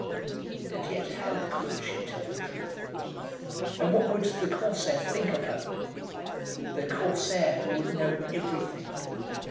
And yet how could she tell the truth? And what would the Corsair think of her, the Corsair, who would know everything?